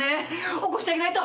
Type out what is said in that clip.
起こしてあげないと。